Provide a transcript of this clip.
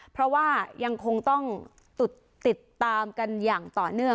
เพราะว่ายังคงต้องติดตามกันอย่างต่อเนื่อง